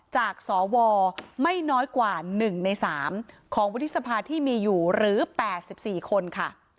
จากสวไม่น้อยกว่า๑ใน๓ของวุฒิสภาที่มีอยู่หรือ๘๔คนค่ะ